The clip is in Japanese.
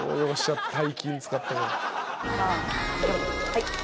はい。